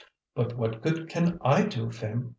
"But what good can I do, Phim?"